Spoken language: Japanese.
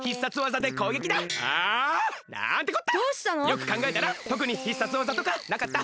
よくかんがえたらとくに必殺技とかなかった。